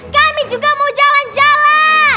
kami juga mau jalan jalan